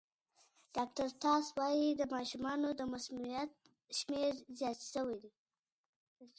ډاکټر ټاس وايي د ماشومانو د مسمومیت شمېر زیات شوی.